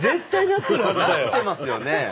なってますよね。